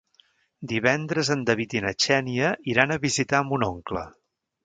Divendres en David i na Xènia iran a visitar mon oncle.